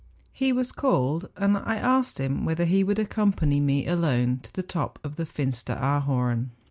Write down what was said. He was called ; and I asked him whether he would accompany me alone to the top of the Fin steraarhorn.